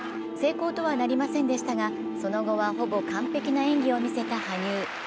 成功とはなりませんでしたが、その後はほぼ完璧な演技を見せた羽生。